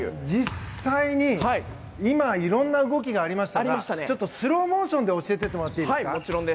実際に今、いろんな動きがありましたがスローモーションで教えてもらってもいいですか。